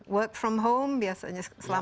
work from home biasanya selama